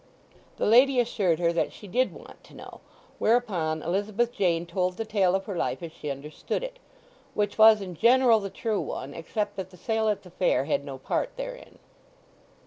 The lady assured her that she did want to know; whereupon Elizabeth Jane told the tale of her life as she understood it, which was in general the true one, except that the sale at the fair had no part therein.